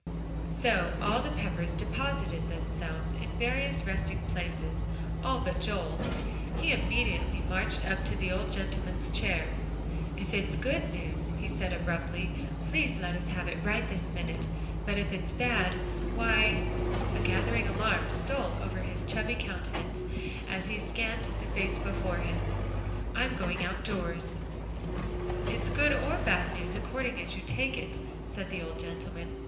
So all the Peppers deposited themselves in various resting places; all but Joel. He immediately marched up to the old gentleman's chair. "If it's good news," he said abruptly, "please let us have it right this minute. But if it's bad, why," a gathering alarm stole over his chubby countenance, as he scanned the face before him, "I'm going out doors." "It's good or bad news according as you take it," said the old gentleman.